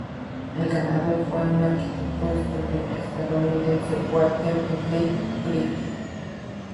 El ganador fue un arquitecto estadounidense, Walter Burley Griffin.